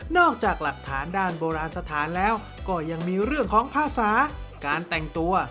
จากหลักฐานด้านโบราณสถานแล้วก็ยังมีเรื่องของภาษาการแต่งตัว